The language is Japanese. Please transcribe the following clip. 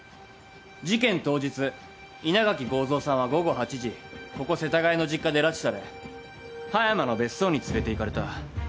事件当日稲垣剛蔵さんは午後８時ここ世田谷の実家で拉致され葉山の別荘に連れていかれた。